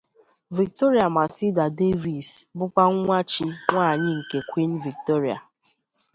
Victoria Matilda Davies bụkwa nwa chi nwaanyị nke Queen Victoria.